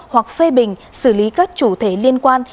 hoặc phê bình xử lý các chủ thể liên quan